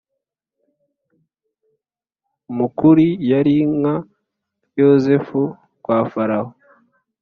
mukuri yari nka yosefu kwa farawo.